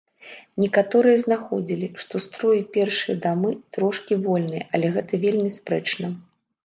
Некаторыя знаходзілі, што строі першай дамы трошкі вольныя, але гэта вельмі спрэчна.